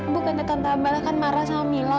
bukan tante amber akan marah sama mila